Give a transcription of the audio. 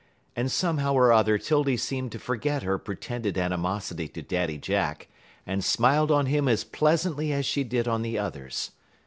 And somehow or other 'Tildy seemed to forget her pretended animosity to Daddy Jack, and smiled on him as pleasantly as she did on the others.